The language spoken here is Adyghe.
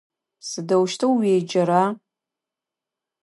Сыдэущтэу уеджэра?